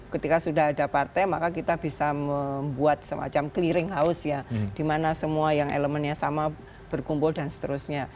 ketika sudah ada partai maka kita bisa membuat semacam clearing house ya di mana semua yang elemennya sama berkumpul dan seterusnya